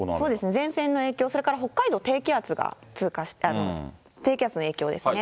前線の影響、北海道、低気圧が通過して、低気圧の影響ですね。